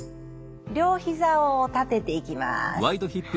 両ひざを立てていきます。